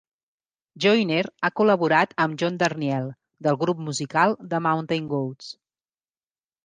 Joyner ha col·laborat amb John Darnielle, del grup musical The Mountain Goats.